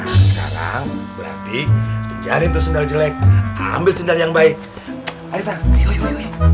sekarang berarti kejarin tuh sendal jelek ambil sendal yang baik ayo